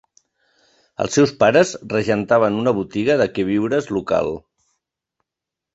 Els seus pares regentaven una botiga de queviures local.